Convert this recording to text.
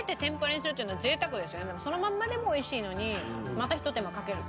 そのまんまでも美味しいのにまたひと手間かけるっていう。